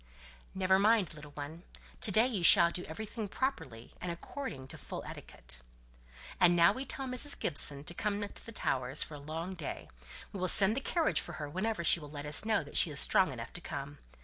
"Never mind, little one. To day you shall do everything properly, and according to full etiquette." "And now tell Mrs. Gibson to come out to the Towers for a long day; we will send the carriage for her whenever she will let us know that she is strong enough to come.